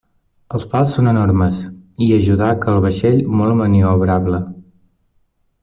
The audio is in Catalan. Els pals són enormes, i ajudar que el vaixell molt maniobrable.